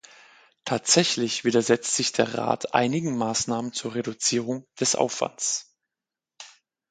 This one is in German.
Tatsächlich widersetzt sich der Rat einigen Maßnahmen zur Reduzierung des Aufwands.